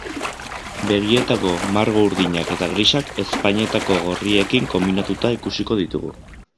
Begietako margo urdinak eta grisak ezpainetako gorriekin konbinatuta ikusiko ditugu.